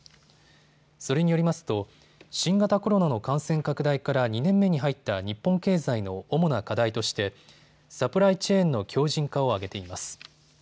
それによりますと新型コロナの感染拡大から２年目に入った日本経済の主な課題としてサプライチェーンの強じん化を挙げています。